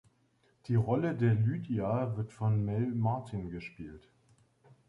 Die Rolle der Lydia wird von Mel Martin gespielt.